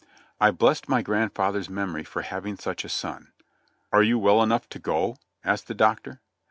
I blessed my grandfather's memory for having such a son. "Are you well enough to go?" asked the Doctor.